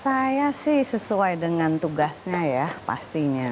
saya sih sesuai dengan tugasnya ya pastinya